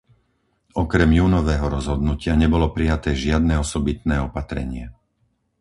Okrem júnového rozhodnutia nebolo prijaté žiadne osobitné opatrenie.